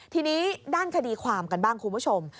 ทีนี้ด้านคดีความกันบ้างคุณผู้ชม